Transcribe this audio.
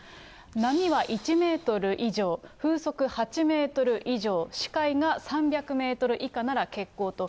波は１メートル以上、風速８メートル以上、視界が３００メートル以下なら欠航と。